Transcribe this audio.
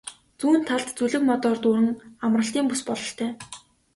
Зүүн талд зүлэг модоор дүүрэн амралтын бүс бололтой.